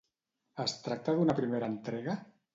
Es tracta d'una primera entrega?